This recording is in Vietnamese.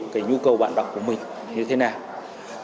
cái nhu cầu bạn đọc của mình như thế nào